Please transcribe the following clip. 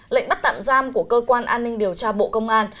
lệnh bắt tạm giam của cơ quan an ninh điều tra bộ công an